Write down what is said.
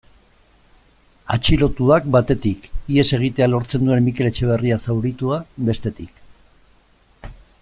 Atxilotuak, batetik, ihes egitea lortzen duen Mikel Etxeberria zauritua, bestetik.